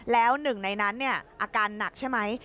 แล้วหนึ่งในนั้นอาการหนักใช่ไหม